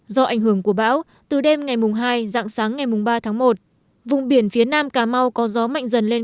do ảnh hưởng của bão từ đêm ngày hai dạng sáng ngày ba tháng một vùng biển phía nam cà mau có gió mạnh dần lên